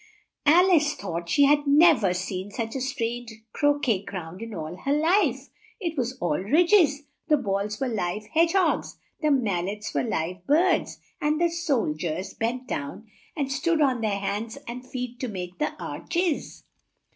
Al ice thought she had nev er seen such a strange cro quet ground in all her life: it was all ridges; the balls were live hedge hogs; the mal lets were live birds, and the sol diers bent down and stood on their hands and feet to make the arch es.